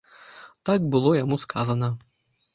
Так было яму сказана.